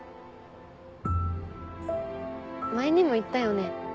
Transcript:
前にも言ったよね。